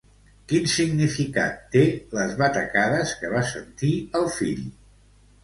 Quin significat té les batacades que va sentir el fill?